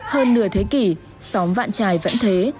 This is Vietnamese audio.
hơn nửa thế kỷ xóm vạn trải vẫn thế